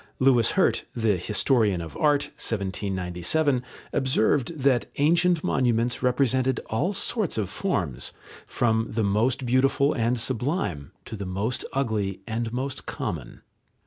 Louis Hirt, the historian of art (1797) observed that ancient monuments represented all sorts of forms, from the most beautiful and sublime to the most ugly and most common.